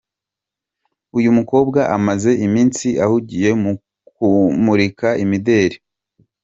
Uyu mukobwa amaze iminsi ahugiye mu kumurika imideli.